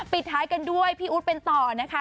ปิดท้ายกันด้วยพี่อู๊ดเป็นต่อนะคะ